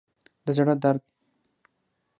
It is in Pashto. د زړه درد